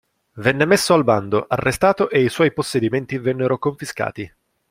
Venne messo al bando, arrestato e i suoi possedimenti vennero confiscati.